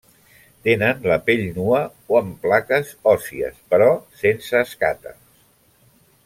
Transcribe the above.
Tenen la pell nua o amb plaques òssies, però sense escates.